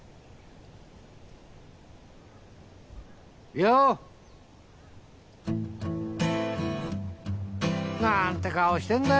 よう！なんて顔してんだよ